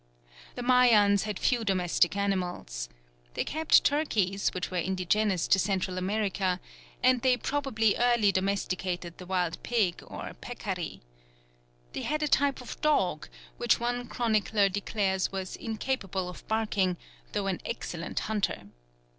The Mayans had few domestic animals. They kept turkeys, which were indigenous to Central America, and they probably early domesticated the wild pig or peccary. They had a type of dog which one chronicler declares was incapable of barking, though an excellent hunter.